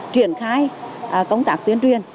triển khai công tác tuyên truyền